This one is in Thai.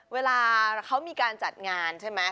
เวลาเขามีการจัดงานใช่ไหม